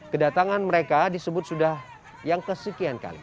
kedatangan mereka disebut sudah yang kesekian kali